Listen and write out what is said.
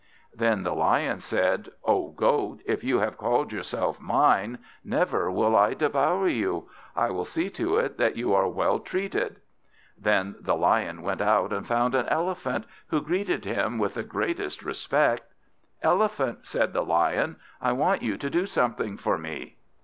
Then the Lion said, "O Goat, if you have called yourself mine, never will I devour you. I will see to it that you are well treated." Then the Lion went out and found an Elephant, who greeted him with the greatest respect. "Elephant," said the Lion, "I want you to do something for me."